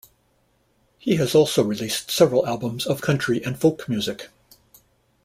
He has also released several albums of country and folk music.